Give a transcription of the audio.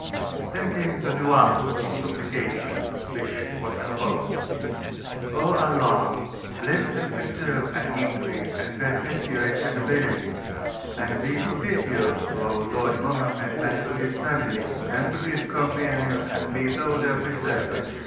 Then came the Dua, or supplication, which was as follows: "O Allah! bless and preserve, and increase, and perpetuate, and benefit, and be propit[i]ous to, our Lord Mohammed, and to his Family, and to his Companions, and be Thou their Preserver!